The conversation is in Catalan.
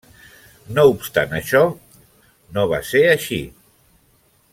No obstant això, no va ser així.